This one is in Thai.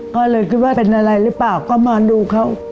ก็เลยคิดว่าเป็นอะไรหรือเปล่าก็มาดูเขา